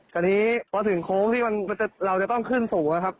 ตอนนี้เพราะถึงโค้งที่เราจะต้องขึ้นสูงครับครับ